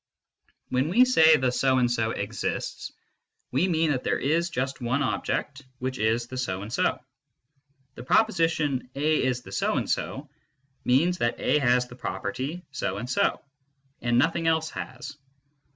^ When we say " the^ so and so ^xists," we mean that there is just one object which is the so and so. The pro position "a is the so and so" means that a has the property so and so, and nothing else has.